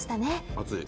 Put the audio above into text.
暑い。